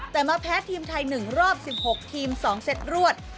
แต่มาแพ้ทีมไทย๑รอบ๑๖ทีม๒เซตรวด